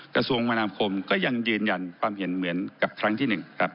กระทรวงมนาคมก็ยังยืนยันความเห็นเหมือนกับครั้งที่๑ครับ